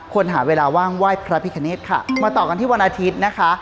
ควรหาเวลาว่างไหว้พระพิคเนธค่ะมาต่อกันที่วันอาทิตย์นะคะ